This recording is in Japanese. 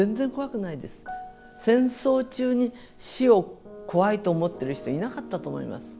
戦争中に死を怖いと思ってる人いなかったと思います。